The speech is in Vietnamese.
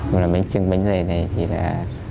mà bánh chưng bánh dày này thì là